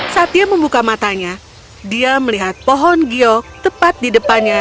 saat dia membuka matanya dia melihat pohon gio tepat di depannya